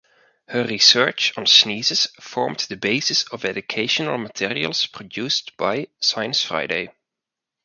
Her research on sneezes formed the basis of educational materials produced by "Science Friday".